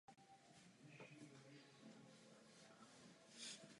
Lidské zdraví a ekologie spolu úzce souvisí.